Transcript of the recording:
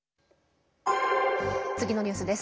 次のニュースです。